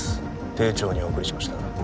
丁重にお送りしました